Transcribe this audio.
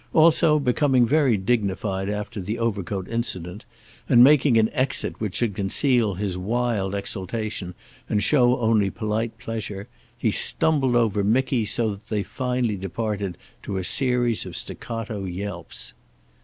Also, becoming very dignified after the overcoat incident, and making an exit which should conceal his wild exultation and show only polite pleasure, he stumbled over Micky, so that they finally departed to a series of staccato yelps.